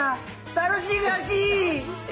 たのしいガッキー。